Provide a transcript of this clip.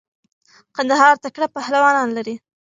قندهار تکړه پهلوانان لری.